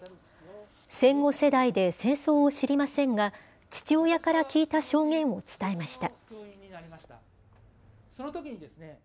戦後世代で戦争を知りませんが、父親から聞いた証言を伝えました。